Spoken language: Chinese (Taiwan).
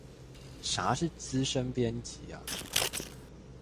啥是資深編輯啊？